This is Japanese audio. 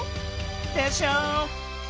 でしょ！